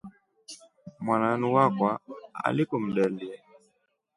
Mwananu wakwa alikumdelye.